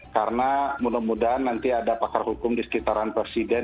karena mudah mudahan nanti ada pakar hukum di sekitaran presiden